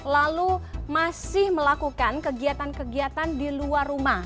lalu masih melakukan kegiatan kegiatan di luar rumah